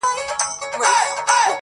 • ورته شعرونه وايم.